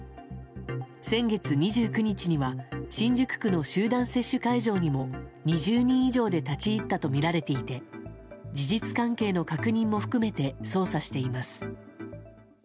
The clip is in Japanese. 先月２９日には新宿区の集団接種会場にも２０人以上で立ち入ったとみられていて事実関係の確認も含めて捜査しています。